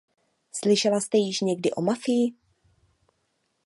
Slyšela jste již někdy o mafii?